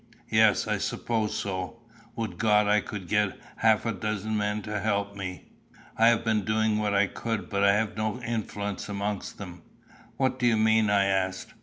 "Yes, I suppose so. Would God I could get half a dozen men to help me. I have been doing what I could; but I have no influence amongst them." "What do you mean?" I asked.